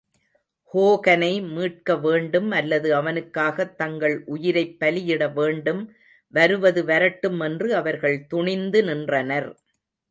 ஹோகனை மீட்க வேண்டும் அல்லது அவனுக்காகத் தங்கள் உயிரைப்பலியிட வேண்டும் வருவது வரட்டும் என்று அவர்கள் துணிந்து நின்றனர்.